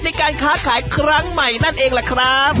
ในการค้าขายครั้งใหม่นั่นเองล่ะครับ